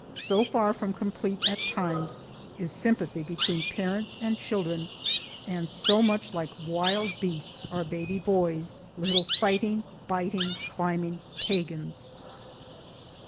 So far from complete at times is sympathy between parents and children, and so much like wild beasts are baby boys, little fighting, biting, climbing pagans.